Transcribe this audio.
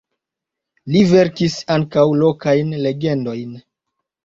Li verkis ankaŭ lokajn legendojn.